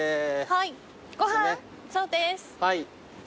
はい。